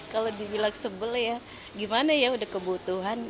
kalau dibilang sebel ya gimana ya udah kebutuhan